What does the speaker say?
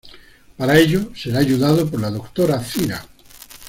Para ello, será ayudado por la Doctora Zira.